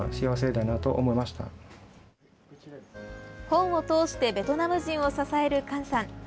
本を通してベトナム人を支えるカンさん。